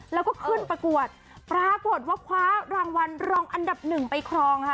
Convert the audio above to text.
แล้วก็ขึ้นประกวดปรากฏว่าคว้ารางวัลรองอันดับหนึ่งไปครองค่ะ